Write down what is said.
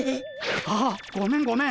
あっごめんごめん。